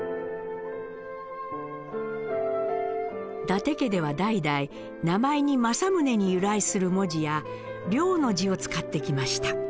伊達家では代々名前に「政宗」に由来する文字や「亮」の字を使ってきました。